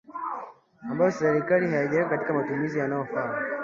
ambayo serikali haijaweka katika matumizi yanayofaa